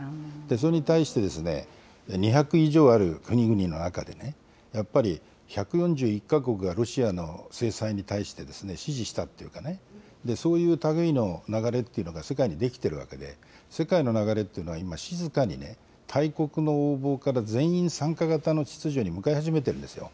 それに対して２００以上ある国々の中で、やっぱり１４１か国がロシアの制裁に対して支持したというかね、そういうたぐいの流れってのが、世界にできてるわけで、世界の流れというのは今、静かに大国の横暴から全員参加型の秩序に向かい始めてるんですよ。